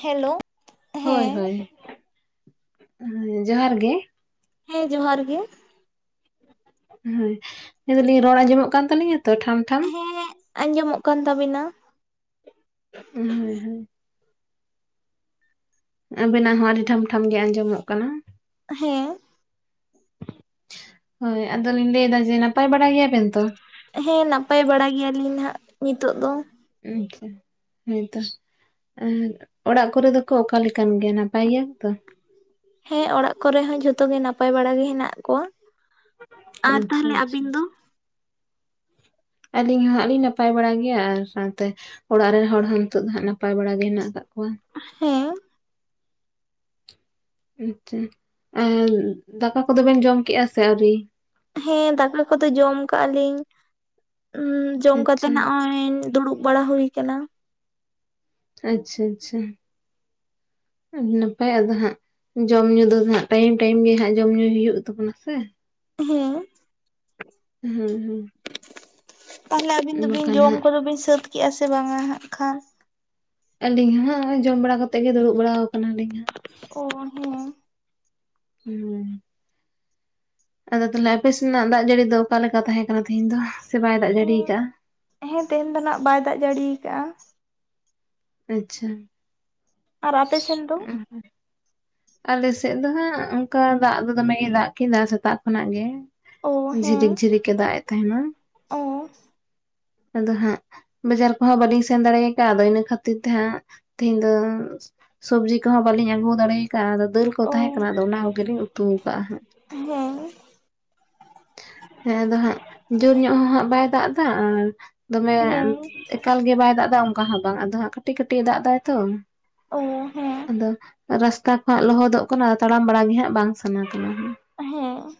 Hello ᱦᱳᱭ ᱦᱮᱸ ᱦᱳᱭ ᱡᱚᱦᱟᱨ ᱜᱮ᱾ ᱦᱮᱸ ᱡᱚᱦᱟᱨ ᱜᱮ᱾ ᱦᱮᱸ ᱟᱫᱟᱞᱤᱧ ᱨᱚᱲ ᱟᱸᱡᱚᱢᱚᱜ ᱠᱟᱱ ᱛᱟᱞᱤᱧᱟ ᱛᱚ ᱴᱷᱟᱢ ᱴᱷᱟᱢ᱾ ᱦᱮᱻᱻᱟᱸᱡᱚᱢᱚᱜ ᱠᱟᱱ ᱛᱟᱵᱤᱱᱟ᱾ ᱦᱳᱭ ᱦᱳᱭ᱾ ᱟᱵᱮᱱᱟᱜ ᱦᱚᱸ ᱟᱹᱰᱤ ᱴᱷᱟᱢ ᱴᱷᱟᱢ ᱜᱮ ᱟᱸᱡᱚᱢᱚᱜ ᱠᱟᱱᱟ᱾ ᱦᱮᱸ᱾ ᱦᱳᱭ, ᱟᱫᱚ ᱞᱤᱧ ᱞᱟᱹᱭ ᱮᱫᱟ ᱡᱮ ᱱᱟᱯᱟᱭ ᱵᱟᱲᱟ ᱜᱮᱭᱟ ᱵᱮᱱ ᱛᱚ? ᱦᱮᱸ, ᱱᱟᱯᱟᱭ ᱵᱟᱲᱟ ᱜᱮᱭᱟᱞᱤᱧ ᱱᱟᱸᱜ ᱱᱤᱛᱚᱜ ᱫᱚ᱾ ᱟᱪᱪᱷᱟ, ᱦᱮᱸᱛᱚ᱾ ᱟᱨ ᱚᱲᱟᱜ ᱠᱚᱨᱮ ᱫᱚᱠᱚ ᱚᱠᱟ ᱞᱮᱠᱟᱱ ᱜᱮᱭᱟ, ᱱᱟᱯᱟᱭ ᱜᱮᱭᱟ ᱛᱚ? ᱦᱮᱸ ᱚᱲᱟᱜ ᱠᱚᱨᱮ ᱦᱚᱸ ᱡᱷᱚᱛᱚ ᱜᱮ ᱱᱟᱯᱟᱭ ᱵᱟᱲᱟ ᱜᱮ ᱦᱮᱱᱟᱜ ᱠᱚᱣᱟ ᱛᱚ ᱟᱨ ᱟᱪᱪᱷᱟ ᱛᱟᱦᱞᱮ ᱟᱪᱪᱷᱟ ᱟᱵᱤᱱ ᱫᱚ? ᱟᱹᱞᱤᱧ ᱦᱚᱸ ᱟᱰᱤ ᱱᱟᱯᱟᱭ ᱵᱟᱲᱟ ᱜᱮᱭᱟ ᱟᱨ ᱥᱟᱶᱛᱮ ᱚᱲᱟᱜ ᱨᱮᱱ ᱦᱚᱲ ᱦᱚᱸ ᱱᱤᱛᱚᱜ ᱫᱚ ᱦᱟᱜ ᱱᱟᱯᱟᱭ ᱵᱟᱲᱟ ᱜᱮ ᱦᱮᱱᱟᱜ ᱟᱠᱟᱜ ᱠᱚᱣᱟ᱾ ᱦᱮᱸ᱾ ᱟᱪᱪᱷᱟ ᱟᱨ ᱫᱟᱠᱟ ᱠᱚᱫᱚᱵᱮᱱ ᱡᱚᱢ ᱠᱮᱫᱮᱜᱼᱟ ᱥᱮ ᱟᱹᱣᱨᱤ᱾ ᱦᱮᱸ ᱫᱟᱠᱟ ᱠᱚᱫᱚ ᱡᱚᱢ ᱠᱟᱜᱼᱟ ᱞᱤᱧ ᱩᱻᱻ ᱡᱚᱢ ᱠᱟᱛᱮ ᱟᱪᱪᱷᱟ ᱱᱚᱜᱼᱚᱭ ᱫᱩᱲᱩᱵ ᱵᱟᱲᱟ ᱦᱩᱭ ᱟᱠᱟᱱᱟ᱾ ᱟᱪᱪᱷᱟ ᱟᱪᱪᱷᱟ ᱟᱹᱰᱤ ᱱᱟᱯᱟᱭ ᱟᱫᱚ ᱦᱟᱸᱜ ᱡᱚᱢ ᱧᱩ ᱫᱚ ᱦᱟᱜ ᱴᱟᱭᱤᱢ ᱴᱟᱭᱤᱢ ᱜᱮ ᱦᱟᱜ ᱡᱚᱢ ᱧᱩᱭ ᱦᱩᱭᱩᱜ ᱛᱟᱵᱚᱱᱟ ᱥᱮ ᱦᱮᱸ᱾ ᱦᱮᱸ ᱦᱮᱸ᱾ ᱛᱟᱦᱚᱞᱮ ᱟᱵᱤᱱ ᱫᱚᱵᱤᱱ ᱵᱟᱠᱷᱟᱱ ᱡᱚᱢ ᱦᱟᱸᱜ ᱠᱚᱫᱚ ᱵᱤᱱ ᱥᱟᱹᱛ ᱠᱮᱫᱮᱜᱼᱟ ᱥᱮ ᱵᱟᱝᱼᱟ ᱦᱟᱸᱜ ᱠᱷᱟᱱ ᱟᱹᱞᱤᱧ ᱦᱚ ᱡᱚᱢ ᱵᱟᱲᱟ ᱠᱟᱛᱮᱜ ᱜᱮ ᱫᱩᱲᱩᱵ ᱵᱟᱲᱟ ᱟᱠᱟᱱ ᱟᱞᱤᱧ ᱦᱟᱸᱜ᱾ ᱳ ᱦᱚᱸ᱾ ᱦᱩᱸ᱾ ᱟᱫᱚ ᱛᱟᱦᱚᱞᱮ ᱟᱯᱮᱥᱮᱱᱟᱜ ᱫᱟᱜ ᱡᱟᱹᱲᱤ ᱫᱚ ᱚᱠᱟᱞᱮᱠᱟ ᱛᱟᱦᱮᱸ ᱠᱟᱱᱟ? ᱛᱮᱦᱤᱧ ᱫᱚ ᱥᱮ ᱵᱟᱭ ᱫᱟᱜ ᱡᱟᱹᱲᱤᱭᱟ ᱟᱠᱟᱫᱼᱟ᱾ ᱦᱮᱸ ᱛᱮᱦᱮᱧ ᱫᱚ ᱱᱟᱜ ᱵᱟᱭ ᱫᱟᱜ ᱡᱟᱹᱲᱤᱭᱟ ᱟᱠᱟᱫᱼᱟ᱾ ᱟᱪᱪᱷᱟ᱾ ᱟᱨ ᱟᱯᱮ ᱥᱮᱱ ᱫᱚ? ᱦᱩ᱾ ᱟᱞᱮᱥᱮᱫ ᱫᱚ ᱦᱟᱸᱜ ᱚᱱᱠᱟ ᱫᱟᱜ ᱫᱚ ᱫᱚᱢᱮᱜᱮᱭ ᱫᱟᱜ ᱠᱮᱫᱟ᱾ ᱥᱮᱛᱟᱜ ᱠᱷᱚᱱᱟᱜ ᱜᱮ ᱚ ᱡᱷᱤᱨᱤᱠ ᱡᱷᱤᱨᱤᱠ ᱮ ᱫᱟᱜ ᱮ ᱛᱟᱦᱮᱱᱟ᱾ ᱚᱸ᱾ ᱟᱫᱚ ᱦᱟᱸᱜ ᱵᱟᱡᱟᱨ ᱠᱚᱦᱚᱸ ᱵᱟᱹᱞᱤᱧ ᱥᱮᱱ ᱫᱟᱲᱮ ᱟᱠᱟᱜᱼᱟ᱾ ᱟᱫᱚ ᱤᱱᱟᱹ ᱠᱷᱟᱹᱛᱤᱨ ᱛᱮ ᱦᱟᱸᱜ ᱛᱮᱦᱤᱧ ᱫᱚ ᱥᱚᱵᱽᱡᱤ ᱠᱚᱦᱚᱸ ᱵᱟᱹᱞᱤᱧ ᱟᱹᱜᱩ ᱫᱟᱲᱮ ᱟᱠᱟᱫᱼᱟ᱾ ᱫᱟᱹᱞ ᱠᱚ ᱚ ᱛᱟᱦᱮᱸ ᱠᱟᱱᱟ᱾ ᱟᱫᱚ ᱚᱱᱟ ᱠᱚᱜᱮ ᱞᱤᱧ ᱩᱛᱩ ᱟᱠᱟᱫᱼᱟ ᱦᱟᱸᱜ᱾ ᱦᱮᱸ ᱦᱮᱸ ᱟᱫᱚ ᱦᱟᱸᱜ ᱡᱳᱨ ᱧᱚᱜ ᱦᱚᱸ ᱦᱟᱸᱜ ᱵᱟᱭ ᱫᱟᱜ ᱮᱫᱟ ᱟᱨ ᱫᱚᱢᱮ ᱦᱮᱸ ᱮᱠᱟᱞ ᱜᱮ ᱵᱟᱭ ᱫᱟᱜ ᱮᱫᱟ᱾ ᱚᱱᱠᱟ ᱦᱚᱸ ᱵᱟᱝ ᱟᱫᱚ ᱦᱟᱸᱜ ᱠᱟᱹᱴᱤᱡ ᱠᱟᱹᱴᱤᱡ ᱮ ᱫᱟᱜᱽ ᱮᱫᱟᱭ ᱛᱚ᱾ ᱚ ᱦᱮᱸ ᱦᱮᱸ ᱟᱫᱚ ᱨᱟᱥᱛᱟ ᱠᱚ ᱦᱟᱜ ᱞᱚᱦᱚᱫᱚᱜ ᱠᱟᱱᱟ᱾ ᱛᱟᱲᱟᱢ ᱵᱟᱲᱟ ᱜᱮ ᱦᱟᱸᱜ ᱵᱟᱝ ᱥᱟᱱᱟ ᱠᱟᱱᱟ᱾ ᱦᱮᱸ᱾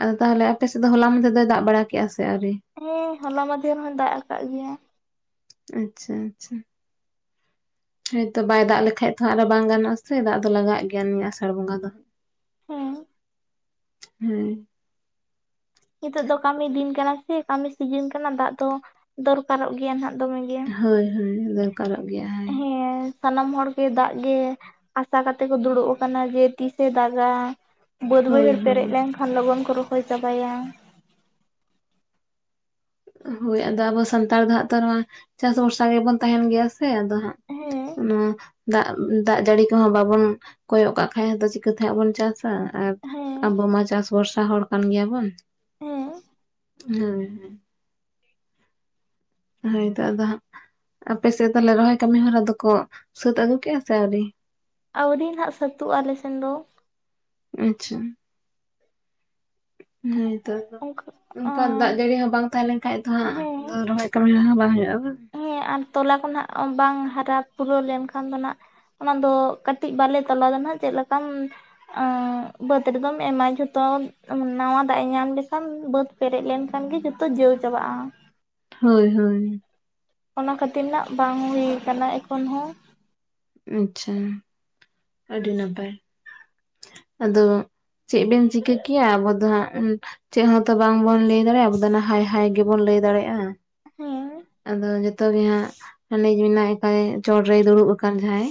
ᱟᱫᱚ ᱛᱟᱦᱞᱮ ᱟᱯᱮ ᱥᱮᱫ ᱫᱚ ᱦᱚᱞᱟ ᱢᱽᱫᱷᱮ ᱫᱚᱭ ᱫᱟᱜ ᱵᱟᱲᱟ ᱠᱮᱜᱼᱟ ᱥᱮ ᱟᱹᱣᱨᱤ? ᱦᱮᱸ ᱦᱚᱞᱟ ᱢᱟᱫᱷᱮᱨ ᱦᱚᱸ ᱫᱟᱜ ᱟᱠᱟᱫ ᱜᱮᱭᱟ᱾ ᱟᱪᱪᱷᱟ, ᱟᱪᱪᱷᱟ᱾ ᱦᱳᱭᱛᱚ ᱵᱟᱭ ᱫᱟᱜ ᱞᱮᱠᱷᱟᱡ ᱛᱚ᱾ ᱟᱨᱚ ᱵᱟᱝ ᱜᱟᱱᱚᱜᱼᱟ ᱥᱮ ᱫᱟᱜ ᱫᱚ ᱞᱟᱜᱟᱜ ᱜᱮᱭᱟ᱾ ᱱᱤᱭᱟᱹ ᱟᱹᱥᱟᱲ ᱵᱚᱸᱜᱟ ᱫᱚ ᱦᱮᱸ᱾ ᱦᱮᱸ᱾ ᱱᱤᱛᱚᱜ ᱫᱚ ᱠᱟᱹᱢᱤ ᱫᱤᱱ ᱠᱟᱱᱟ ᱥᱮ ᱠᱟᱹᱢᱤ ᱥᱤᱡᱤᱱ ᱠᱟᱱᱟ ᱫᱟᱜ ᱫᱚ ᱫᱚᱨᱠᱟᱨᱚᱜ ᱜᱮᱭᱟ ᱱᱷᱟᱜ ᱫᱚᱢᱮ ᱜᱮ ᱦᱳᱭ ᱦᱳᱭ ᱫᱚᱨᱠᱟᱨᱚᱜ ᱜᱮᱭᱟ᱾ ᱦᱳᱭ ᱦᱮᱸ ᱥᱟᱱᱟᱢ ᱦᱚᱲ ᱜᱮ ᱫᱟᱜ ᱜᱮ ᱟᱥᱟ ᱠᱟᱛᱮ ᱠᱚ ᱫᱩᱲᱩᱵ ᱠᱟᱱᱟ ᱡᱮ ᱛᱤᱥ ᱮ ᱫᱟᱜ-ᱟ ᱵᱟᱹᱫ ᱦᱳᱭ ᱵᱟᱹᱭᱦᱟᱹᱲ ᱯᱮᱨᱮᱡ ᱦᱳᱭ ᱞᱮᱱᱠᱷᱟᱱ ᱞᱚᱜᱚᱱ ᱠᱚ ᱨᱚᱦᱚᱭ ᱪᱟᱵᱟᱭᱟ᱾ ᱦᱳᱭ ᱟᱫᱚ ᱟᱵᱚ ᱥᱟᱱᱛᱟᱲ ᱫᱚ ᱦᱟᱸᱜ ᱛᱚ ᱱᱚᱣᱟ ᱪᱟᱥ ᱵᱷᱚᱨᱥᱟ ᱜᱮᱵᱚᱱ ᱛᱟᱦᱮᱱ ᱜᱮᱭᱟ ᱥᱮ ᱟᱫᱚ ᱦᱮᱸ ᱚᱱᱟ ᱫᱟᱜ ᱫᱟᱜ ᱡᱟᱹᱲᱤ ᱠᱚᱦᱚᱸ ᱵᱟᱵᱚᱱ ᱠᱚᱭᱚᱜ ᱠᱟᱜ ᱠᱷᱟᱡ ᱟᱫᱚ ᱪᱤᱠᱟᱹᱛᱮ ᱦᱟᱜ ᱵᱚᱱ ᱪᱟᱥ ᱟ᱾ ᱟᱨ ᱦᱮᱸ ᱟᱵᱚ ᱢᱟ ᱪᱟᱥ ᱵᱷᱚᱨᱥᱟ ᱦᱚᱲ ᱠᱟᱱ ᱜᱮᱭᱟᱵᱚᱱ᱾ ᱦᱮᱸ ᱦᱮᱸ ᱦᱳᱭᱛᱚ ᱟᱫᱚ ᱦᱟᱸᱜ ᱟᱯᱮᱥᱮᱫ ᱛᱟᱦᱚᱞᱮ ᱨᱚᱦᱚᱭ ᱠᱟᱹᱢᱤ ᱦᱚᱨᱟ ᱫᱚᱠᱚ ᱥᱟᱹᱛ ᱟᱹᱜᱩ ᱠᱮᱫ-ᱟ ᱥᱮ ᱟᱹᱣᱨᱤ? ᱟᱹᱣᱨᱤ ᱱᱟᱦᱟᱜ ᱥᱟᱣᱛᱮ ᱟᱜ-ᱟ ᱟᱞᱮ ᱥᱮᱱ ᱫᱚ ᱟᱪᱪᱷᱟ ᱦᱳᱭᱛᱚ ᱚᱱᱠᱟ ᱚᱱᱠᱟ ᱟᱸ ᱫᱟᱜ ᱡᱟᱹᱲᱤ ᱦᱚᱸ ᱵᱟᱝ ᱛᱟᱦᱮᱸᱞᱱᱠᱷᱟᱱᱡ ᱫᱚ ᱦᱟᱸᱜ ᱦᱮᱸ ᱨᱚᱦᱚᱭ [unintelligible] ᱵᱟᱦᱟ [unintelligible] ᱦᱮᱸ ᱟᱨ ᱛᱚᱞᱟ ᱠᱚ ᱱᱷᱟᱜ ᱵᱟᱝ ᱦᱟᱨᱟ ᱯᱩᱨᱟᱹᱣ ᱞᱮᱱᱠᱷᱟᱱ ᱫᱚ ᱦᱟᱸᱱ ᱟᱜ ᱚᱱᱟ ᱫᱚ ᱠᱟᱹᱴᱤᱡ ᱵᱟᱞᱮ ᱛᱚᱞᱟ ᱫᱚ ᱱᱷᱟᱜ ᱪᱮᱫ ᱞᱮᱠᱟᱢ ᱚᱻ ᱵᱟᱹᱫᱽ ᱨᱮᱫᱚᱢ ᱮᱢᱟ ᱡᱷᱚᱛᱚ ᱱᱟᱣᱟ ᱫᱟᱜ ᱮ ᱧᱟᱢ ᱞᱮᱠᱷᱟᱱ ᱵᱟᱹᱫᱽ ᱯᱮᱨᱮᱡ ᱞᱮᱱ ᱠᱷᱟᱱ ᱜᱮ ᱡᱚᱛᱚ ᱡᱟᱹᱣ ᱪᱟᱵᱟᱜ-ᱟ᱾ ᱦᱳᱭ ᱦᱳᱭ ᱚᱱᱟ ᱠᱷᱟᱹᱛᱤᱨ ᱦᱟᱸᱜ ᱵᱟᱝ ᱦᱩᱭ ᱠᱟᱱᱟ ᱮᱠᱷᱚᱱ ᱦᱚᱸ ᱟᱪᱪᱷᱟ ᱟᱹᱰᱤ ᱱᱟᱯᱟᱭ, ᱟᱫᱚ ᱪᱮᱫ ᱵᱮᱱ ᱪᱤᱠᱟᱹ ᱠᱮᱭᱟ ᱟᱵᱚ ᱫᱚ ᱦᱟᱸᱜ ᱪᱮᱫ ᱦᱚᱸᱛᱚ ᱵᱟᱝᱵᱚᱱ ᱞᱟᱹᱭ ᱫᱟᱲᱮᱭᱟᱜ ᱟᱵᱚ ᱦᱟᱭ ᱦᱟᱭ ᱜᱮᱵᱚᱱ ᱞᱟᱹᱭ ᱫᱟᱲᱮᱭᱟᱜ-ᱟ᱾ ᱦᱮᱸ ᱟᱫᱚ ᱡᱚᱛᱚ ᱜᱮ ᱦᱟᱸᱜ ᱦᱟᱱᱮ ᱢᱮᱱᱟᱜ ᱪᱚᱴᱨᱮᱭ ᱫᱩᱲᱩᱵ ᱟᱠᱟᱱ ᱡᱟᱦᱟᱸᱭ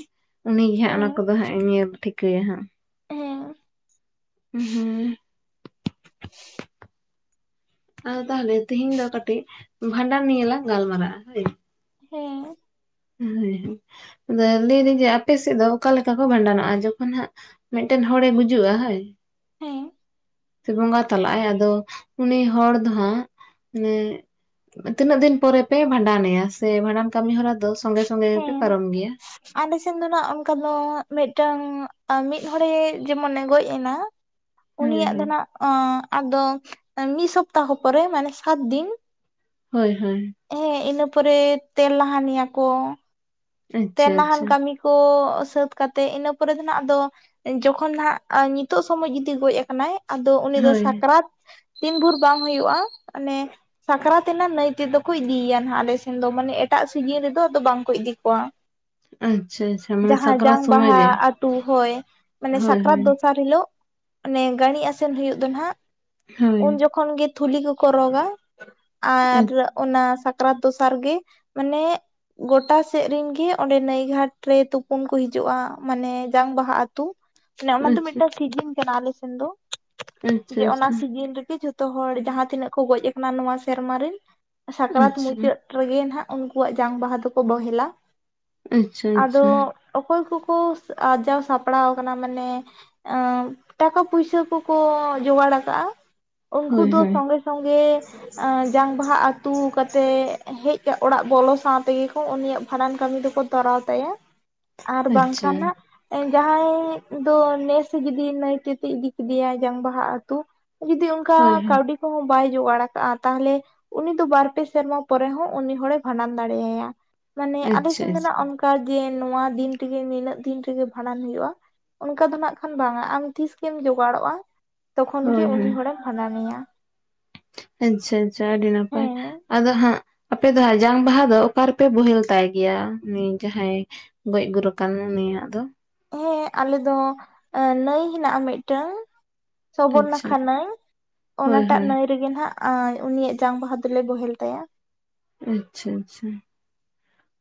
ᱩᱱᱤᱜᱮ ᱦᱟᱸᱜ ᱚᱱᱟ ᱦᱮᱸ ᱠᱚᱫᱚ ᱦᱟᱸᱜ ᱧᱮᱞ ᱴᱷᱤᱠᱟᱹᱭᱟ ᱦᱟᱸᱜ, ᱦᱮᱸ ᱦᱩᱸ [inaudible] ᱟᱫᱚ ᱛᱟᱦᱚᱞᱮ ᱛᱮᱦᱤᱧ ᱫᱚ ᱠᱟᱹᱴᱤᱡ ᱵᱷᱟᱰᱟᱱ ᱱᱤᱭᱮᱞᱟᱝ ᱜᱟᱞᱢᱟᱨᱟᱜ-ᱟ ᱦᱚᱭ ᱦᱮᱸ ᱦᱮᱸ ᱟᱫᱚ ᱞᱟᱹᱭᱫᱟᱹᱧ ᱡᱮ ᱟᱯᱮ ᱥᱮᱫ ᱫᱚ ᱚᱠᱟᱮ ᱞᱮᱠᱟ ᱠᱚ ᱵᱷᱟᱸᱰᱟᱱᱚᱜ-ᱟ ᱡᱚᱠᱷᱚᱱ ᱦᱟᱸᱜ ᱢᱤᱫᱴᱮᱱ ᱦᱚᱲᱮ ᱜᱩᱡᱩᱜ-ᱟ ᱦᱳᱭ ᱦᱮᱸ ᱥᱮ ᱵᱚᱸᱜᱟ ᱛᱟᱞᱟᱜ-ᱟᱭ ᱟᱫᱚ ᱩᱱᱤ ᱦᱚᱲ ᱫᱚᱦᱟᱸᱜ ᱢᱟᱱᱮ ᱛᱤᱱᱟᱹᱜ ᱫᱤᱱ ᱯᱚᱨᱮ ᱯᱮ ᱵᱷᱟᱸᱰᱟ ᱱᱮᱭᱟ ᱥᱮ ᱵᱷᱟᱸᱰᱟᱱ ᱠᱟᱹᱢᱤ ᱦᱚᱨᱟ ᱫᱚ ᱥᱚᱸᱜᱮ ᱥᱚᱸᱜᱮ ᱜᱮᱯᱮ ᱦᱮᱸ ᱯᱟᱨᱚᱢ ᱜᱮᱭᱟ᱾ ᱟᱞᱮ ᱥᱮᱱ ᱫᱚ ᱱᱟᱜ ᱚᱱᱠᱟ ᱫᱚ ᱢᱤᱫᱴᱟᱝ ᱢᱤᱫ ᱦᱚᱲᱮ ᱡᱮᱢᱚᱱᱮ ᱜᱚᱡ ᱮᱱᱟ [inaudible] ᱦᱳᱭ ᱩᱱᱤᱭᱟᱜ ᱫᱚ ᱦᱳᱭ᱾ ᱱᱟᱜ ᱟᱫᱚ ᱢᱤᱫ ᱥᱚᱯᱛᱟᱦᱚ ᱯᱚᱨᱮ ᱢᱟᱱᱮ ᱥᱟᱛ ᱫᱤᱱ ᱦᱳᱭ ᱦᱳᱭ ᱦᱮᱸ ᱤᱱᱟᱹ ᱯᱚᱨᱮ ᱛᱮᱞ ᱞᱟᱦᱟᱱᱤᱭᱟ ᱠᱚ, ᱟᱪᱪᱷᱟ ᱛᱮᱞᱱᱟᱦᱟᱱ ᱟᱪᱪᱷᱟ ᱠᱟᱹᱢᱤ ᱠᱚ ᱥᱟᱹᱛ ᱠᱟᱛᱮᱜ ᱤᱱᱟᱹ ᱯᱚᱨᱮ ᱫᱚ ᱱᱟᱜ ᱟᱫᱚ ᱡᱚᱠᱷᱚᱱ ᱦᱟᱜ ᱱᱤᱛᱚᱜ ᱥᱚᱢᱚᱭ ᱡᱩᱫᱤ ᱜᱚᱡ ᱟᱠᱟᱱᱟᱭ ᱟᱫᱚ ᱩᱱᱤ ᱫᱚ ᱦᱳᱭ ᱥᱟᱠᱨᱟᱛ ᱛᱤᱱ ᱵᱷᱳᱨ ᱵᱟᱝ ᱦᱩᱭᱩᱜ-ᱟ ᱚᱱᱮ ᱥᱟᱠᱨᱟᱛ ᱮᱱᱟ ᱱᱟᱹᱭ ᱛᱮᱫᱚ ᱠᱚ ᱤᱫᱤᱭᱮᱭᱟ ᱱᱟᱦᱟᱜ ᱟᱞᱮᱥᱮᱱ ᱫᱚ ᱢᱟᱱᱮ ᱮᱴᱟᱜ ᱥᱤᱡᱤᱱ ᱨᱮᱫᱚ ᱟᱫᱚ ᱵᱟᱝ ᱠᱚ ᱤᱫᱤ ᱠᱚᱣᱟ᱾ ᱟᱪᱪᱷᱟ ᱟᱪᱪᱷᱟ᱾ ᱢᱟᱱᱮ ᱡᱟᱦᱟᱸ ᱥᱟᱠᱨᱟᱛ ᱡᱟᱝ ᱥᱚᱢᱚᱭ ᱵᱟᱦᱟ ᱜᱮ? ᱟᱛᱩ ᱦᱳᱭ ᱢᱟᱱᱮ ᱦᱳᱭ ᱥᱟᱠᱨᱟᱛ ᱦᱳᱭ ᱫᱚᱥᱟᱨ ᱦᱤᱞᱳᱜ ᱚᱱᱮ ᱜᱟᱹᱲᱤ ᱟᱥᱮᱱ ᱦᱩᱭᱩᱜ ᱫᱚ ᱦᱟᱜ ᱦᱳᱭ ᱩᱱ ᱡᱚᱠᱷ ᱠᱷᱚᱱ ᱜᱮ ᱛᱷᱩᱞᱤ ᱠᱚᱠᱚ ᱨᱚᱜᱟ ᱟᱨ ᱟᱪᱪᱷᱟ ᱚᱱᱟ ᱥᱟᱠᱨᱟᱛ ᱫᱚᱥᱟᱨ ᱜᱮ ᱢᱟᱱᱮ ᱜᱚᱴᱟ ᱥᱮᱫ ᱨᱤᱱ ᱜᱮ ᱚᱸᱰᱮ ᱱᱟᱹᱭ ᱜᱷᱟᱴ ᱨᱮ ᱛᱩᱯᱩᱱ ᱠᱚ ᱦᱤᱡᱩᱜᱼᱟ ᱢᱟᱱᱮ ᱡᱟᱝ ᱵᱟᱦᱟ ᱟᱛᱩ ᱢᱟᱱᱮ ᱚᱱᱟ ᱫᱚ ᱟᱪᱪᱷᱟ ᱢᱤᱫᱴᱟᱝ ᱥᱤᱡᱤᱱ ᱠᱟᱱᱟ ᱟᱞᱮ ᱥᱮᱱ ᱫᱚ ᱡᱮ ᱚᱱᱟ ᱟᱪᱪᱷᱟ ᱥᱤᱡᱤᱱ ᱨᱮᱜᱮ ᱡᱷᱚ ᱡᱚᱛᱚ ᱦᱚᱲ ᱡᱟᱦᱟᱸ ᱛᱤᱱᱟᱹᱜ ᱠᱚ ᱜᱚᱡ ᱟᱠᱟᱱᱟ ᱱᱚᱣᱟ ᱥᱮᱨᱢᱟ ᱨᱮᱱ ᱥᱟᱠᱨᱟᱛ ᱟᱪᱪᱷᱟ ᱢᱩᱪᱟᱹᱫ ᱨᱮᱜᱮ ᱱᱟᱦᱟᱜ ᱩᱱᱠᱩᱣᱟᱜ ᱡᱟᱝ ᱵᱟᱦᱟ ᱫᱚᱠᱚ ᱵᱚᱦᱮᱞᱟ᱾ ᱟᱪᱪᱷᱟ ᱟᱫᱚ ᱟᱪᱪᱷᱟ ᱚᱠᱚᱭ ᱠᱚᱠᱚ ᱟᱨᱡᱟᱣ ᱥᱟᱯᱲᱟᱣ ᱟᱠᱟᱱᱟ ᱢᱟᱱᱮ ᱴᱟᱠᱟ ᱯᱩᱭᱥᱟᱹ ᱠᱚᱠᱚ ᱡᱚᱜᱟᱲ ᱠᱟᱜᱼᱟ ᱩᱱᱠᱩ ᱦᱳᱭ ᱫᱚ ᱦᱳᱭ ᱥᱚᱸᱜᱮ ᱥᱚᱸᱝᱜᱮ ᱡᱟᱝ ᱵᱟᱦᱟ ᱟᱹᱛᱩ ᱠᱟᱛᱮᱫ ᱦᱮᱡ ᱚᱲᱟᱜ ᱵᱚᱞᱚ ᱥᱟᱶ ᱛᱮᱜᱮ ᱠᱚ ᱩᱱᱤᱭᱟᱜ ᱵᱷᱟᱸᱰᱟᱱ ᱠᱟᱹᱢᱤ ᱫᱚ ᱠᱚ ᱛᱚᱨᱟᱣ ᱛᱟᱭᱟ ᱟᱨ ᱟᱪᱪᱷᱟ ᱵᱟᱝᱠᱷᱟᱱ ᱦᱟᱜ ᱡᱟᱦᱟᱸᱭ ᱫᱚ ᱱᱮᱥ ᱡᱩᱫᱤ ᱱᱟᱹᱭᱛᱮ ᱤᱫᱤ ᱠᱮᱫᱮᱭᱟ ᱡᱟᱝ ᱵᱟᱦᱟ ᱟᱹᱛᱩ ᱡᱩᱫᱤ ᱚᱱᱠᱟ ᱦᱳᱭ ᱦᱳᱭ ᱠᱟᱹᱣᱰᱤ ᱠᱚᱦᱚᱸ ᱵᱟᱭ ᱡᱚᱜᱟᱲ ᱠᱟᱜᱼᱟ ᱛᱟᱦᱚᱞᱮ ᱩᱱᱤ ᱫᱚ ᱵᱟᱨ ᱯᱮ ᱥᱮᱨᱢᱟ ᱯᱚᱨᱮ ᱦᱚᱸ ᱩᱱᱤ ᱦᱚᱲᱮ ᱵᱷᱟᱸᱰᱟᱱ ᱫᱟᱲᱮ ᱭᱟᱭᱟ ᱢᱟᱱᱮ ᱟᱞᱮ ᱟᱪᱪᱷᱟ ᱥᱮᱱ ᱫᱚ ᱱᱟᱜ ᱟᱪᱪᱷᱟ ᱚᱱᱠᱟ ᱜᱮ ᱱᱚᱣᱟ ᱫᱤᱱ ᱨᱮᱜᱮ ᱱᱤᱱᱟᱹᱜ ᱫᱤᱱ ᱛᱮᱜᱮ ᱵᱷᱟᱸᱰᱟᱱ ᱦᱩᱭᱩᱜᱼᱟ ᱚᱱᱠᱟ ᱫᱚ ᱱᱟᱜᱠᱷᱟᱱ ᱵᱟᱝᱟ ᱟᱢ ᱛᱤᱥᱜᱮᱢ ᱡᱚᱜᱟᱲᱚᱜᱼᱟ ᱛᱚᱠᱷᱚᱱ ᱜᱮ ᱦᱳᱭ ᱩᱱᱤ ᱦᱳᱭ ᱦᱚᱲᱮᱢ ᱵᱷᱟᱸᱰᱟᱱᱮᱭᱟ᱾ ᱟᱪᱪᱷᱟ ᱟᱪᱪᱷᱟ ᱟᱹᱰᱤ ᱱᱟᱯᱟᱭ᱾ ᱦᱮᱸ ᱟᱫᱚ ᱦᱟᱸᱜ ᱟᱯᱮ ᱫᱚᱦᱟᱸᱜ ᱡᱟᱝ ᱵᱟᱦᱟ ᱫᱚ ᱚᱠᱟ ᱨᱮᱯᱮ ᱵᱳᱦᱮᱞ ᱛᱟᱭ ᱜᱮᱭᱟ ᱩᱱᱤ ᱡᱟᱦᱟᱸᱭ ᱜᱚᱡ ᱜᱩᱨ ᱟᱠᱟᱱ ᱱᱤᱭᱟᱜ ᱫᱚ ᱾ ᱦᱮᱸ ᱟᱞᱮ ᱫᱚ ᱱᱟᱹᱭ ᱦᱮᱱᱟᱜᱼᱟ ᱢᱤᱫᱴᱟᱝ ᱥᱚᱵᱚᱨ ᱟᱪᱪᱷᱟ ᱱᱟᱠᱷᱟ ᱱᱟᱹᱭ ᱦᱳᱭ ᱚᱱᱟᱴᱟᱜ ᱦᱳᱭ ᱱᱟᱹᱭ ᱨᱮᱜᱮ ᱱᱟᱜ ᱩᱱᱤᱭᱟᱜ ᱡᱟᱝ ᱵᱟᱦᱟ ᱫᱚᱞᱮ ᱵᱚᱦᱮᱞ ᱛᱟᱭᱟ᱾ ᱟᱪᱪᱷᱟ ᱟᱪᱪᱷᱟ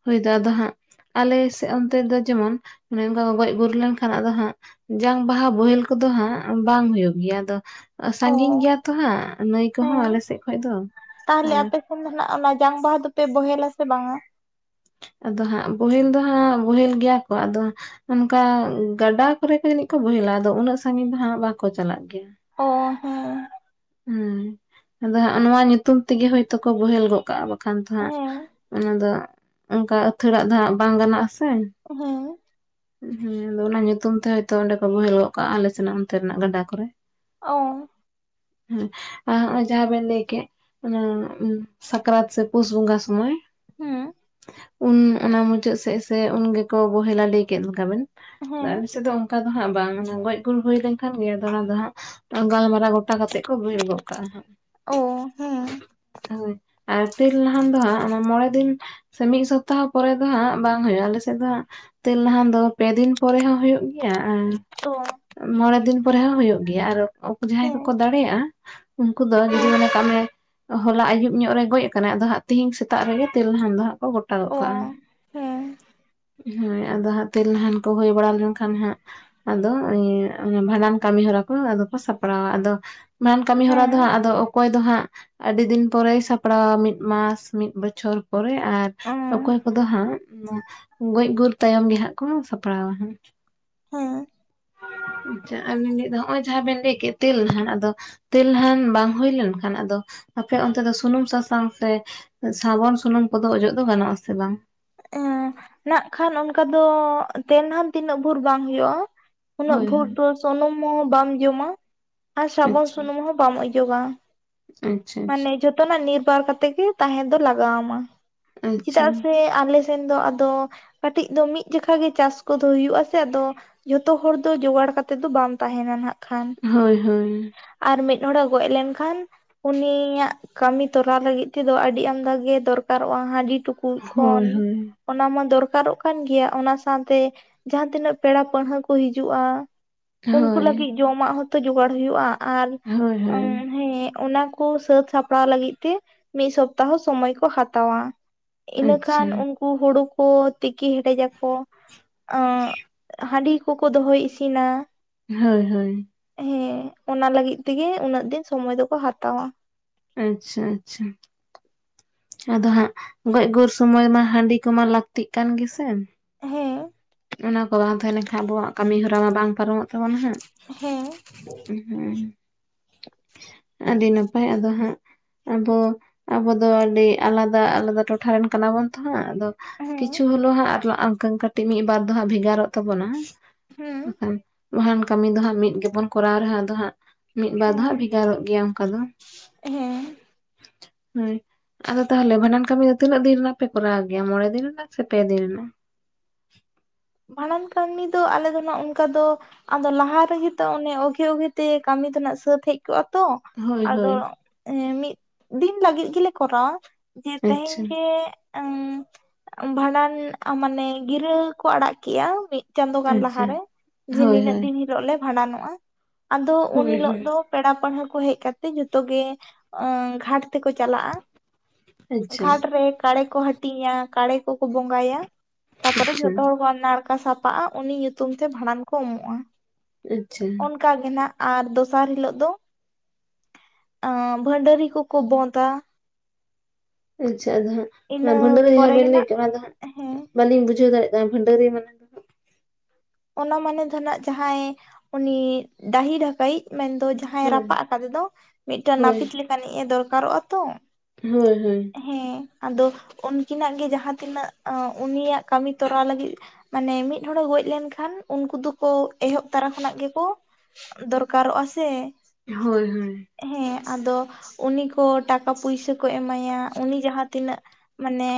ᱦᱳᱭᱛᱚ ᱟᱫᱚ ᱦᱟᱸᱜ ᱟᱞᱮ ᱥᱮᱫ ᱚᱱᱛᱮ ᱫᱚ ᱡᱮᱢᱚᱱ ᱚᱱᱮ ᱚᱱᱠᱟ ᱠᱚ ᱜᱚᱡ ᱜᱩᱨ ᱞᱮᱱᱠᱷᱟᱱ ᱟᱫᱚ ᱦᱟᱸᱜ ᱡᱟᱝ ᱵᱟᱦᱟ ᱵᱳᱦᱮᱞ ᱠᱚᱫᱚ ᱦᱟᱸᱜ ᱵᱟᱝ ᱦᱩᱭᱩᱜ ᱜᱮᱭᱟ ᱟᱫᱚ ᱚ ᱥᱟᱺᱜᱤᱧ ᱜᱮᱭᱟ ᱛᱚ ᱦᱟᱸᱜ ᱱᱟᱹᱭ ᱠᱚᱦᱚᱸ ᱟᱞᱮ ᱥᱮᱫ ᱠᱷᱚᱡ ᱫᱚ ᱟᱨ ᱮᱠᱷᱚᱱ ᱫᱚ ᱱᱟᱜ ᱚᱱᱟ ᱡᱟᱝ ᱵᱟᱦᱟ ᱫᱚᱯᱮ ᱵᱚᱦᱮᱞᱟ ᱥᱮ ᱵᱟᱝᱟ? ᱟᱫᱚ ᱦᱟᱸᱜ ᱵᱳᱦᱮᱞ ᱫᱚ ᱦᱟᱸᱜ ᱵᱳᱦᱮᱞ ᱜᱮᱭᱟ ᱠᱚ ᱟᱫᱚ ᱚᱱᱠᱟ ᱜᱟᱰᱟ ᱠᱚᱨᱮ ᱠᱚ ᱡᱟᱹᱱᱤᱡ ᱠᱚ ᱵᱳᱦᱮᱞᱟ ᱟᱫᱚ ᱩᱱᱟᱹᱜ ᱥᱟᱺᱜᱤᱧ ᱫᱚ ᱦᱟᱜ ᱵᱟᱠᱚ ᱪᱟᱞᱟᱜ ᱜᱮᱭᱟ᱾ ᱚ ᱦᱮᱸ ᱦᱩᱸ ᱟᱫᱚ ᱦᱚᱸᱜ ᱱᱚᱣᱟ ᱧᱩᱛᱩᱢ ᱛᱮᱜᱮ ᱦᱳᱭᱛᱳ ᱠᱚ ᱵᱳᱦᱮᱞ ᱜᱚᱫ ᱠᱟᱜᱼᱟ᱾ ᱮᱠᱷᱟᱱ ᱫᱚ ᱦᱮᱸ ᱦᱟᱸᱜ ᱚᱱᱟ ᱫᱚ ᱚᱱᱠᱟ ᱟᱹᱛᱷᱟᱹᱲᱟᱜ ᱫᱚ ᱦᱟᱸᱜ ᱵᱟᱝ ᱜᱟᱱᱚᱜ ᱟᱥᱮ᱾ ᱦᱮᱸ ᱦᱮᱸ ᱟᱫᱚ ᱚᱱᱟ ᱧᱩᱛᱩᱢ ᱛᱮ ᱦᱳᱭᱛᱚ ᱚᱸᱰᱮ ᱠᱚ ᱵᱳᱦᱮᱞ ᱜᱚᱫ ᱠᱟᱜᱼᱟ ᱟᱞᱮ ᱥᱮᱱᱟᱜ ᱚᱱᱛᱮᱱᱟᱜ ᱜᱟᱰᱟ ᱠᱚᱨᱮ᱾ ᱚ ᱦᱮᱸ ᱟᱨ ᱦᱚᱜᱚᱭ ᱡᱟᱦᱟ ᱵᱮᱱ ᱞᱟᱹᱭ ᱠᱮᱫ ᱚᱱᱟ ᱥᱟᱠᱨᱟᱛ ᱥᱮ ᱯᱩᱥ ᱵᱚᱸᱜᱟ ᱥᱩᱢᱟᱹᱭᱼᱼ ᱦᱩᱸ ᱩᱱ ᱚᱱᱟ ᱢᱩᱪᱟᱹᱫ ᱥᱮᱫ ᱥᱮ ᱩᱱᱜᱮᱠᱚ ᱵᱚᱦᱮᱞᱟ ᱞᱟᱹᱭ ᱠᱮᱫ ᱞᱮᱠᱟᱵᱤᱱ ᱦᱮᱸ ᱟᱞᱮᱥᱮᱫ ᱫᱚᱼᱼ ᱚᱱᱠᱟ ᱫᱚ ᱦᱟᱸᱜ ᱵᱟᱝ ᱜᱚᱡ ᱜᱩᱨ ᱦᱩᱭ ᱞᱮᱱᱠᱷᱟᱱ ᱜᱮ ᱚᱱᱟ ᱫᱚ ᱦᱟᱸᱜᱼᱼ ᱜᱟᱞᱢᱟᱨᱟᱣ ᱜᱚᱴᱟ ᱠᱟᱛᱮᱜ ᱠᱚ ᱵᱚᱦᱮᱞ ᱜᱚᱜ ᱠᱟᱜᱼᱟᱼᱼ ᱚ ᱦᱮᱸ, [unintelligible] ᱦᱩᱸ ᱟᱨ ᱛᱤᱞᱱᱟᱦᱟᱱ ᱫᱚ ᱦᱟᱸᱜ ᱚᱱᱟ ᱢᱚᱬᱮ ᱫᱤᱱ ᱥᱮ ᱢᱤᱫ ᱥᱚᱯᱛᱟᱦᱚ ᱯᱚᱨᱮ ᱫᱚ ᱦᱟᱸᱜ ᱵᱟᱝ ᱦᱩᱭᱩᱜᱼᱟ ᱟᱞᱮ ᱥᱮᱫ ᱫᱚ ᱦᱟᱸᱜ ᱦᱮᱞᱱᱟᱦᱟᱱ ᱫᱚ ᱯᱮ ᱫᱤᱱ ᱯᱚᱨᱮ ᱦᱚᱸ ᱦᱩᱭᱩᱜ ᱜᱮᱭᱟ ᱟᱨ ᱚ ᱢᱚᱬᱮ ᱫᱤᱱ ᱯᱚᱨᱮ ᱦᱚᱸ ᱦᱩᱭᱩᱜ ᱜᱮᱭᱟ ᱟᱨ ᱡᱟᱸᱦᱟᱭ ᱦᱮᱸ ᱠᱚᱠᱚ ᱫᱟᱲᱮᱭᱟᱜᱼᱟ ᱩᱱᱠᱩ ᱫᱚ ᱡᱩᱫᱤ ᱦᱮᱸ [unintelligible] ᱢᱚᱱᱮ ᱠᱟᱜ ᱢᱮ, ᱦᱚᱞᱟ ᱟᱹᱭᱩᱵ ᱧᱚᱜ ᱨᱮ ᱜᱚᱡ ᱠᱟᱱᱟᱭ ᱟᱫᱚ ᱦᱟᱸᱜ ᱛᱤᱦᱤᱧ ᱥᱮᱛᱟᱜ ᱨᱮᱜᱮ ᱛᱮᱞᱱᱟᱦᱟᱱ ᱫᱚ ᱦᱟᱸᱜ ᱜᱚᱴᱟᱜᱚᱫ ᱚ ᱠᱟᱜᱼᱟ ᱦᱮᱸ ᱦᱮᱸ ᱟᱫᱚ ᱦᱟᱸᱜ ᱛᱮᱞᱱᱟᱦᱟᱱ ᱠᱚ ᱦᱩᱭ ᱵᱟᱲᱟ ᱞᱮᱱᱠᱷᱟᱱ ᱦᱟᱸᱜ ᱟᱫᱚ ᱵᱷᱟᱸᱰᱟᱱ ᱠᱟᱹᱢᱤ ᱦᱚᱨᱟ ᱠᱚ, [unintelligible] ᱟᱫᱚ ᱠᱚ ᱥᱟᱯᱲᱟᱣᱟ ᱟᱫᱚ ᱵᱷᱟᱰᱟᱱ ᱠᱟᱹᱢᱤ ᱦᱚᱨᱟ ᱫᱚ ᱦᱟᱸᱜ ᱟᱫᱚ ᱚᱠᱚᱭ ᱫᱚ ᱦᱟᱸᱜ ᱟᱹᱰᱤ ᱫᱤᱱ ᱯᱚᱨᱮᱭ ᱥᱟᱯᱲᱟᱣᱟ ᱢᱤᱫ ᱢᱟᱥ ᱢᱤᱫ ᱵᱚᱪᱷᱚᱨ᱾ ᱯᱚᱨᱮ ᱟᱨ ᱦᱮᱸ ᱚᱠᱚᱭ ᱠᱚᱫᱚ ᱦᱟᱸᱜ ᱜᱚᱡ ᱜᱩᱨ ᱛᱟᱭᱚᱢ ᱜᱮ ᱦᱟᱸᱜ ᱠᱚ ᱥᱟᱯᱲᱟᱣᱟ ᱦᱟᱸᱜ᱾ ᱦᱳᱸᱭ᱾ ᱟᱪᱪᱷᱟ ᱟᱨ ᱱᱚᱜᱼᱚᱭ ᱡᱟᱦᱟᱸ ᱵᱮᱱ ᱞᱟᱹᱭ ᱠᱮᱫ ᱛᱮᱞ ᱱᱟᱦᱟᱱ ᱟᱫᱚ, ᱛᱮᱞᱱᱟᱦᱟᱱ ᱵᱟᱝ ᱦᱩᱭ ᱞᱮᱱᱠᱷᱟᱱ ᱟᱫᱚ ᱟᱯᱮ ᱚᱱᱛᱮ ᱫᱚ ᱥᱩᱱᱩᱢ ᱥᱟᱥᱟᱝ ᱥᱮ ᱥᱟᱵᱚᱱ ᱥᱩᱱᱩᱢ ᱠᱚᱫᱚ ᱚᱡᱚᱜ ᱫᱚ ᱜᱟᱱᱚᱜ ᱟᱥᱮ ᱵᱟᱝ? ᱱᱟᱜ ᱠᱷᱟᱱ ᱚᱱᱠᱟ ᱫᱚ ᱛᱮᱞᱱᱟᱦᱟᱱ ᱛᱤᱱᱟᱹᱜ ᱵᱷᱩᱨ ᱵᱟᱝ ᱦᱩᱭᱩᱜᱼᱟ ᱩᱱᱟᱹᱜ ᱦᱳᱭ ᱵᱷᱳᱨ ᱦᱳᱭ ᱫᱚ ᱥᱩᱱᱩᱢ ᱵᱟᱢ ᱡᱚᱢᱟ ᱟᱨ ᱥᱟᱵᱚᱱ ᱟᱪᱪᱷᱟ ᱥᱩᱱᱩᱢ ᱦᱚᱸ ᱵᱟᱢ ᱚᱡᱚᱜᱟ᱾ ᱟᱪᱪᱷᱟ ᱢᱟᱱᱮ ᱟᱪᱪᱷᱟ ᱡᱚᱛᱚᱱᱟᱜ ᱱᱤᱨᱵᱟᱨ ᱠᱟᱛᱮ ᱜᱮ ᱛᱟᱦᱮᱸ ᱫᱚ ᱞᱟᱜᱟᱣ ᱟᱢᱟ ᱟᱪᱪᱷᱟ ᱪᱮᱫᱟᱜ ᱥᱮ ᱟᱞᱮ ᱥᱮᱱ ᱫᱚ ᱟᱫᱚ ᱠᱟᱹᱴᱤᱡ ᱫᱚ ᱢᱤᱫ ᱡᱚᱠᱷᱟ ᱜᱮ ᱪᱟᱥ ᱠᱚᱫᱚ ᱦᱩᱭᱩᱜ ᱟ ᱥᱮ ᱟᱫᱚ, ᱡᱷᱚᱛᱚ ᱦᱚᱲ ᱫᱚ ᱡᱚᱜᱟᱲ ᱠᱟᱛᱮᱜ ᱫᱚ ᱵᱟᱢ ᱛᱟᱦᱮᱱᱟ ᱱᱟᱜ ᱠᱷᱟᱱ᱾ ᱦᱳᱭ ᱦᱳᱭ᱾ ᱟᱨ ᱢᱤᱫ ᱦᱚᱲᱮ ᱜᱚᱡ ᱞᱮᱱᱠᱷᱟᱱ᱾ ᱩᱱᱤᱭᱟᱜ ᱠᱟᱹᱢᱤ ᱛᱚᱨᱞᱟ ᱞᱟᱹᱜᱤᱫ ᱛᱮᱫᱚ ᱟᱹᱰᱤ ᱟᱢᱫᱟ ᱜᱮ ᱫᱚᱨᱠᱟᱨᱚᱜᱼᱟ ᱦᱟᱺᱰᱤ ᱴᱩᱠᱩᱡ᱾ ᱠᱷᱚᱱ ᱦᱳᱭ ᱦᱳᱭ ᱚᱱᱟᱢᱟ ᱫᱚᱨᱠᱟᱨᱚᱜ ᱠᱟᱱ ᱜᱮᱭᱟ ᱚᱱᱟ ᱥᱟᱸᱶᱛᱮ ᱡᱟᱦᱟᱸ ᱛᱤᱱᱟᱹᱜ ᱯᱮᱲᱟ ᱯᱟᱹᱲᱦᱟᱹ ᱠᱚ ᱦᱤᱡᱩᱜᱼᱟ᱾ ᱩᱱᱠᱩ ᱦᱳᱭ ᱞᱟᱹᱜᱤᱫ ᱡᱚᱢᱟᱜ ᱦᱚᱸᱛᱚ ᱡᱚᱜᱟᱲ ᱦᱩᱭᱩᱜᱼᱟ᱾ ᱟᱨ ᱦᱳᱭ ᱦᱳᱭ ᱦᱮᱸ ᱚᱱᱟ ᱩᱱᱠᱩ ᱥᱟᱹᱛ ᱥᱟᱯᱲᱟᱣ ᱞᱟᱹᱜᱤᱫ ᱛᱮ ᱢᱤᱫ ᱥᱚᱯᱛᱟᱦᱚ ᱥᱚᱢᱚᱭ ᱠᱚ ᱦᱟᱛᱟᱣᱟ᱾ ᱤᱱᱟᱹᱠᱷᱟᱱ ᱟᱪᱪᱷᱟ ᱩᱱᱠᱩ ᱦᱩᱲᱩ ᱠᱚ ᱛᱤᱠᱤ ᱦᱮᱰᱮᱡᱟᱠᱚ᱾ ᱟᱸᱜ ᱦᱟᱺᱰᱤ ᱠᱚᱠᱚ ᱫᱚᱦᱚᱭ ᱤᱥᱤᱱᱟ᱾ ᱦᱳᱭ ᱦᱳᱭ᱾ ᱦᱮᱸ ᱚᱱᱟ ᱞᱟᱹᱜᱤᱫ ᱛᱮᱜᱮ ᱩᱱᱟᱹᱜ ᱫᱤᱱ ᱥᱚᱢᱚᱭ ᱫᱚᱠᱚ ᱦᱟᱛᱟᱣᱟ᱾ ᱟᱪᱪᱷᱟ ᱟᱪᱪᱷᱟ᱾ ᱟᱫᱚ ᱦᱟᱸᱜ ᱜᱚᱡ ᱜᱩᱨ ᱥᱚᱢᱚᱭ ᱢᱟ ᱦᱟᱺᱰᱤ ᱠᱚᱢᱟ ᱞᱟᱹᱠᱛᱤᱜ ᱠᱟᱱ ᱜᱮᱥᱮ? ᱦᱮᱸ᱾ ᱚᱱᱟ ᱠᱚ ᱵᱟᱝ ᱛᱟᱦᱮᱸ ᱞᱮᱱᱠᱷᱟᱡ ᱟᱵᱚᱣᱟᱜ ᱠᱟᱹᱢᱤ ᱦᱚᱨᱟ ᱢᱟ ᱵᱟᱝ ᱯᱟᱨᱚᱢᱚᱜ ᱛᱟᱵᱚᱱᱟ ᱦᱟᱸᱜ᱾ ᱦᱮᱸ᱾ ᱦᱩᱸ, ᱟᱹᱰᱤ ᱱᱟᱯᱟᱭ ᱟᱫᱚ ᱦᱟᱸᱜ ᱟᱵᱚ, ᱟᱵᱚ ᱫᱚ ᱟᱹᱰᱤ ᱟᱞᱟᱫᱟ ᱟᱞᱟᱫᱟ ᱴᱚᱴᱷᱟᱨᱮᱱ ᱠᱟᱱᱟ ᱵᱚᱱ ᱛᱚ ᱦᱟᱸᱜ᱾ ᱟᱫᱚ ᱦᱮᱸ ᱠᱤᱪᱷᱩ ᱦᱚᱞᱳᱜ ᱦᱟᱸᱜ [unintelligible] ᱠᱟᱹᱴᱤᱡ ᱢᱤᱫᱵᱟᱨ ᱫᱚ ᱦᱟᱸᱜ ᱵᱷᱮᱜᱟᱨᱚᱜ ᱛᱟᱵᱚᱱᱟ᱾ ᱦᱮᱸ ᱠᱷᱟᱱ, ᱵᱟᱦᱟᱱ ᱠᱟᱹᱢᱤ ᱫᱚ ᱦᱟᱸᱜ ᱢᱤᱫ ᱜᱮᱵᱚᱱ ᱠᱚᱨᱟᱣ ᱨᱮᱦᱚᱸ ᱟᱫᱚ ᱦᱟᱸᱜ ᱢᱤᱫ ᱵᱟᱨ ᱫᱚ, ᱦᱟᱸᱜ ᱦᱮᱸ ᱵᱷᱮᱜᱟᱨᱚᱜ ᱜᱮᱭᱟ ᱚᱱᱠᱟ ᱫᱚ᱾ ᱦᱮᱸ ᱦᱳᱭ, ᱟᱫᱚ ᱛᱟᱦᱚᱞᱮ ᱵᱷᱟᱸᱰᱟᱱ ᱠᱟᱹᱢᱤ ᱫᱚ ᱛᱤᱱᱟᱹᱜ ᱫᱤᱱ ᱨᱮᱱᱟᱜ ᱯᱮ ᱠᱚᱨᱟᱣ ᱜᱮᱭᱟ ᱢᱚᱬᱮ ᱫᱤᱱ ᱨᱮᱱᱟᱜ ᱥᱮ ᱯᱮ ᱫᱤᱱ ᱨᱮᱱᱟᱜ? ᱵᱷᱟᱰᱟᱱ ᱠᱟᱹᱢᱤ ᱫᱚ ᱟᱞᱮ ᱫᱚ ᱦᱟᱸᱜ ᱚᱱᱠᱟ ᱫᱚ ᱟᱫᱚ ᱞᱟᱦᱟ ᱨᱮᱜᱮ ᱛᱚ ᱚᱱᱮ ᱚᱜᱮ, ᱚᱜᱮ ᱛᱮ ᱠᱟᱹᱢᱤ ᱫᱚ ᱱᱟᱜ ᱥᱟᱹᱛ ᱦᱮᱡ ᱠᱚᱜ-ᱟ ᱛᱚ ᱦᱳᱭ ᱟᱫᱚ ᱦᱳᱭ ᱢᱤᱫ ᱫᱤᱱ ᱞᱟᱹᱜᱤᱫ ᱜᱮᱞᱮ ᱠᱚᱨᱟᱣᱟ, ᱡᱮ ᱛᱮᱦᱮᱧ ᱟᱪᱪᱷᱟ ᱜᱮ, ᱩᱸ ᱵᱷᱟᱸᱰᱟᱱ ᱢᱟᱱᱮ ᱜᱤᱨᱟᱹ ᱠᱚ ᱟᱲᱟᱜ ᱠᱮᱜᱼᱟ, ᱢᱤᱫ ᱪᱟᱸᱫᱳ ᱜᱟᱱ ᱟᱪᱪᱷᱟ ᱞᱟᱦᱟᱨᱮ, ᱡᱮ ᱦᱳᱭ ᱱᱤᱱᱟᱹᱜ ᱦᱳᱭ ᱫᱤᱱ ᱦᱤᱞᱳᱜ ᱞᱮ, ᱵᱷᱟᱸᱰᱟᱱᱚᱜᱼᱟ᱾ ᱟᱫᱚ ᱩᱱ ᱦᱳᱭ ᱦᱤᱞᱳᱜ ᱦᱳᱭ ᱫᱚ, ᱯᱮᱲᱟ ᱯᱟᱹᱲᱦᱟᱹ ᱠᱚ ᱦᱮᱡ ᱠᱟᱛᱮ, ᱡᱚᱛᱚ ᱜᱮ ᱜᱷᱟᱴ ᱛᱮᱠᱚ ᱪᱟᱞᱟᱜᱼᱟ᱾ ᱟᱪᱪᱷᱟ ᱜᱷᱟᱴ ᱨᱮ ᱠᱟᱲᱮ ᱠᱚ ᱦᱟᱹᱴᱤᱧᱼᱟ, ᱠᱟᱲᱮ ᱠᱚᱠᱚ ᱵᱚᱸᱜᱟᱭᱟ ᱛᱟᱯᱚᱨᱮ ᱟᱪᱪᱷᱟ ᱡᱷᱚᱛᱚ ᱦᱚᱲ ᱠᱚ ᱱᱟᱲᱠᱟ ᱥᱟᱯᱟᱜᱼᱟ, ᱩᱱᱤ ᱧᱩᱛᱩᱢ ᱛᱮ ᱵᱷᱟᱸᱰᱟᱱ ᱠᱚ ᱩᱢᱚᱜᱼᱟ᱾ ᱟᱪᱪᱷᱟ, ᱚᱱᱠᱟ ᱜᱮ ᱱᱟᱜ, ᱟᱨ ᱫᱚᱥᱟᱨ ᱦᱤᱞᱳᱜ ᱫᱚ ᱟᱸ ᱵᱷᱚᱰᱟᱹᱨᱤ ᱠᱚᱠᱚ ᱵᱳᱛᱟ᱾ ᱟᱪᱪᱷᱟ ᱟᱫᱚ ᱦᱟᱸᱜ, ᱚᱱᱟ ᱤᱱᱟᱹ ᱵᱷᱟᱹᱰᱟᱹᱨᱤ ᱡᱟᱦᱟᱸ ᱯᱚᱨᱮ ᱜᱮ ᱵᱮᱱ ᱞᱟᱹᱭ ᱱᱟᱜ ᱠᱮᱫ, ᱚᱱᱟ ᱫᱚ ᱦᱟᱸᱜ ᱦᱮᱸ ᱵᱟᱹᱞᱤᱧ ᱵᱩᱡᱷᱟᱹᱣ ᱫᱟᱲᱮᱭᱟᱜ ᱠᱟᱱᱟ, ᱵᱷᱟᱹᱰᱟᱹᱨᱤ ᱢᱟᱱᱮ? ᱫᱚ ᱚᱱᱟ ᱢᱟᱱᱮ ᱫᱚ ᱱᱟᱜ ᱡᱟᱦᱟᱸᱭ ᱩᱱᱤ, ᱰᱟᱹᱦᱤ ᱰᱟᱠᱟᱭᱤᱡ ᱢᱮᱱᱫᱚ ᱡᱟᱦᱟᱸ ᱡᱟᱦᱟᱸᱭ ᱦᱳᱭ ᱨᱟᱯᱟᱜ ᱠᱟᱫᱮ ᱫᱚ, ᱢᱤᱫᱴᱟᱱ ᱦᱳᱭ ᱱᱟᱹᱯᱤᱛ ᱞᱮᱠᱟᱱᱤᱡ ᱮ, ᱫᱚᱨᱠᱟᱨᱚᱜᱼᱟ ᱛᱚ᱾ ᱦᱳᱭ, ᱦᱳᱭ᱾ ᱦᱮᱸ ᱟᱫᱚ ᱩᱱᱠᱤᱱᱟᱜ ᱜᱮ, ᱡᱟᱦᱟᱸ ᱛᱤᱱᱟᱹᱜ ᱩᱱᱤᱭᱟᱜ ᱠᱟᱹᱢᱤ ᱛᱚᱨᱟᱣ ᱞᱟᱹᱜᱤᱫ, ᱢᱟᱱᱮ ᱢᱤᱫ ᱦᱚᱲᱮ ᱜᱚᱡ ᱞᱮᱱᱠᱷᱟᱱ, ᱠᱷᱟᱱ ᱩᱱᱠᱩ ᱫᱚᱠᱚ, ᱮᱦᱚᱵ ᱛᱚᱨᱟ ᱠᱷᱚᱱᱟᱜ ᱜᱮᱠᱚ ᱫᱚᱨᱠᱟᱨᱚᱜᱼᱟ ᱥᱮ᱾ ᱦᱳᱭ, ᱦᱳᱭ᱾ ᱦᱮᱸ ᱟᱫᱚ ᱩᱱᱤ ᱠᱚ, ᱴᱟᱠᱟ ᱯᱩᱭᱥᱟᱹ ᱠᱚ ᱮᱢᱟᱭᱟ, ᱩᱱᱤ ᱡᱟᱦᱟᱸ ᱛᱤᱱᱟᱹᱜ ᱢᱟᱱᱮ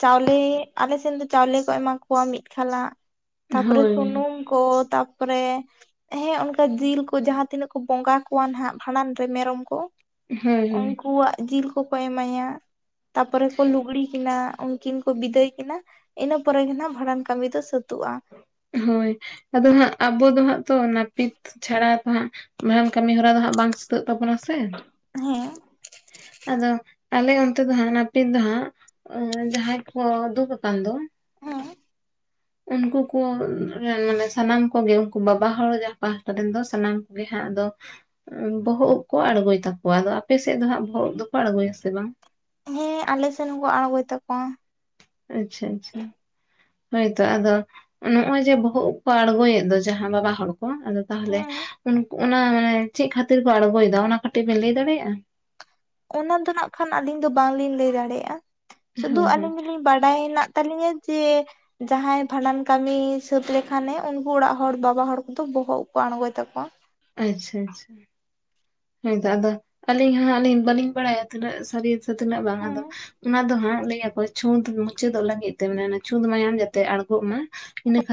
ᱪᱟᱣᱞᱮ, ᱟᱞᱮ ᱥᱮᱱ ᱫᱚ ᱪᱟᱣᱞᱮ ᱠᱚ ᱮᱢᱟ ᱠᱚᱣᱟ, ᱢᱤᱫ ᱠᱷᱟᱞᱟᱜ, ᱛᱟᱯᱚᱨᱮ ᱦᱳᱭ ᱥᱩᱱᱩᱢ ᱠᱚ ᱛᱟᱯᱚᱨᱮ ᱦᱮᱸ ᱚᱱᱠᱟ ᱡᱤᱞ ᱠᱚ, ᱡᱟᱦᱟᱸ ᱛᱤᱱᱟᱹᱜ ᱠᱚ ᱵᱚᱸᱜᱟ ᱠᱚᱣᱟ ᱦᱟᱜ, ᱵᱷᱟᱸᱰᱟᱱ ᱨᱮ ᱢᱮᱨᱚᱢ ᱠᱚ ᱦᱳᱭ ᱦᱳᱭ ᱩᱝᱠᱩᱣᱟᱜ ᱡᱤᱞ ᱠᱚᱠᱚ ᱮᱢᱟᱭᱟ, ᱛᱟᱯᱚᱨᱮ ᱠᱚ ᱞᱩᱜᱽᱲᱤ ᱠᱤᱱᱟ, ᱩᱱᱠᱤᱱ ᱠᱚ ᱵᱤᱫᱟᱹᱭ ᱠᱤᱱᱟᱹ ᱤᱱᱟᱹ ᱯᱚᱨᱮᱜᱮ ᱱᱟᱜ, ᱵᱷᱟᱸᱰᱟᱱ ᱠᱟᱹᱢᱤ ᱫᱚ ᱥᱟᱹᱛᱚᱜᱼᱟ᱾ ᱦᱳᱭ ᱟᱫᱚ ᱦᱟᱸᱜ ᱟᱵᱚ ᱫᱚ, ᱦᱟᱸᱜ ᱛᱚ ᱱᱟᱹᱯᱤᱛ ᱪᱷᱟᱲᱟ ᱫᱚ, ᱦᱟᱸᱜ ᱢᱟᱨᱟᱝ ᱠᱟᱹᱢᱤᱦᱚᱨᱟ ᱫᱚ, ᱦᱟᱸᱜ ᱵᱟᱝ ᱥᱟᱹᱛᱟᱹᱜ ᱛᱟᱵᱚᱱᱟ ᱥᱮ? ᱦᱮᱸ ᱟᱫᱚ ᱟᱞᱮ ᱚᱱᱛᱮ ᱫᱚ ᱦᱟᱜ, ᱱᱟᱯᱤᱫ ᱫᱚ ᱦᱟᱜ ᱡᱟᱦᱟᱸᱭ ᱠᱚ ᱫᱩᱠ ᱟᱠᱟᱱ ᱫᱚ, ᱦᱮᱸ ᱩᱱᱠᱩ ᱠᱚ ᱢᱟᱱᱮ ᱥᱟᱱᱟᱢ ᱠᱚᱜᱮ, ᱩᱱᱠᱩ ᱵᱟᱵᱟ ᱦᱚᱲ ᱡᱟᱦᱟᱸ ᱯᱟᱦᱴᱟ ᱨᱮᱱ ᱫᱚ, ᱥᱟᱱᱟᱢ ᱠᱚᱜᱮ ᱦᱟᱸᱜ ᱫᱚ ᱵᱚᱦᱚᱜ ᱩᱵ ᱠᱚ ᱟᱬᱜᱚᱭ ᱛᱟᱠᱚᱣᱟ, ᱟᱫᱚ ᱟᱯᱮᱥᱮᱫ ᱫᱚ ᱦᱟᱸᱜ ᱵᱚᱦᱚᱜ ᱩᱵ ᱫᱚᱠᱚ, ᱟᱬᱜᱚᱭ ᱟᱥᱮ ᱵᱟᱝ? ᱦᱮᱸ ᱟᱞᱮᱥᱮᱱ ᱦᱚᱸᱠᱚ, ᱟᱲᱜᱚᱭ ᱛᱟᱠᱚᱣᱟ᱾ ᱟᱪᱪᱷᱟ, ᱟᱪᱪᱷᱟ᱾ ᱦᱳᱭᱛᱚ ᱟᱫᱚ ᱱᱚᱜᱼᱚᱭ ᱡᱮ, ᱵᱚᱦᱚᱜ ᱩᱵ ᱠᱚ ᱟᱲᱜᱚᱭᱮᱫ, ᱫᱚ ᱡᱟᱦᱟᱸ ᱵᱟᱵᱟ ᱦᱚᱲ ᱠᱚ, ᱟᱫᱚ ᱛᱟᱦᱚᱞᱮ ᱦᱮᱸ ᱚᱱᱟ ᱢᱟᱱᱮ ᱪᱮᱫ ᱠᱷᱟᱹᱛᱤᱨ ᱠᱚ ᱟᱬᱜᱚᱭ ᱫᱟ, ᱚᱱᱟ ᱠᱟᱹᱴᱤᱡ ᱵᱮᱱ ᱞᱟᱹᱭ ᱫᱟᱲᱮᱭᱟᱜᱼᱟ,? ᱚᱱᱟ ᱫᱚ ᱱᱟᱜ ᱠᱷᱟᱱ, ᱟᱹᱞᱤᱧ ᱫᱚ ᱵᱟᱝᱞᱤᱧ ᱞᱟᱹᱭ ᱫᱟᱲᱮᱭᱟᱜᱼᱟ, ᱥᱩᱫᱩ ᱦᱳᱭ ᱦᱳᱭ ᱟᱹᱞᱤᱧ ᱫᱚᱞᱤᱧ ᱵᱟᱰᱟᱭ ᱦᱮᱱᱟᱜ ᱛᱟᱹᱞᱤᱧᱟ ᱡᱮ, ᱡᱟᱦᱟᱸᱭ ᱵᱷᱟᱸᱰᱟᱱ ᱠᱟᱹᱢᱤ ᱥᱟᱹᱛ ᱞᱮᱠᱷᱟᱱ ᱮᱸ, ᱩᱱᱠᱩ ᱚᱲᱟᱜ ᱦᱚᱲ ᱵᱟᱵᱟ ᱦᱚᱲ ᱠᱚᱫᱚ, ᱵᱚᱦᱚᱜ ᱠᱚ ᱠᱚ ᱟᱬᱜᱚᱭ ᱛᱟᱠᱚᱣᱟ᱾ ᱟᱪᱪᱷᱟ, ᱟᱪᱪᱷᱟ, ᱦᱳᱭᱛᱚ ᱟᱫᱚ ᱦᱚ ᱟᱹᱞᱤᱧ ᱦᱟᱸᱜ ᱟᱹᱞᱤ ᱵᱟᱹᱞᱤᱧ ᱵᱟᱲᱟᱭᱟ ᱛᱤᱱᱟᱹᱜ ᱥᱟᱹᱨᱤ ᱛᱤᱱᱟᱹᱜ ᱵᱟᱝ ᱦᱮᱸ ᱟᱫᱚ, ᱚᱱᱟ ᱫᱚ ᱦᱟᱸᱜ ᱞᱟᱹᱭ ᱟᱠᱚ ᱪᱷᱩᱸᱛ ᱢᱩᱪᱟᱹᱫᱚᱜ ᱞᱟᱹᱜᱤᱫ ᱛᱮ, ᱢᱟᱱᱮ ᱪᱷᱩᱸᱛ ᱢᱟᱭᱟᱢ ᱡᱟᱛᱮ, ᱟᱬᱜᱚᱜ ᱢᱟ ᱤᱱᱟᱹ ᱠᱷᱟᱹᱛᱤᱨ᱾